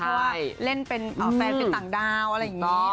เพราะว่าเล่นเป็นแฟนเป็นต่างดาวอะไรอย่างนี้